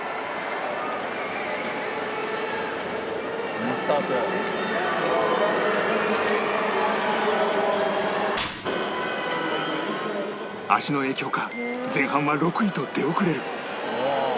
「いいスタート」足の影響か前半は６位と出遅れる